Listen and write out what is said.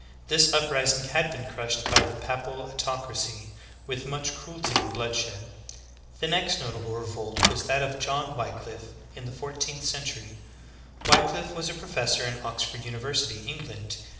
This uprising had been crushed by the papal autocracy with much cruelty and bloodshed. The next notable revolt was that of John Wickliflfe in the fourteenth century. Wickllffe was a professor in Oxford university, England.